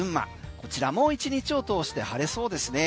こちらも１日を通して晴れそうですね。